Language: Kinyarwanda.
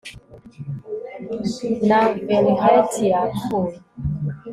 na velheti yapfuye